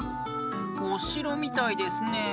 おしろみたいですねえ。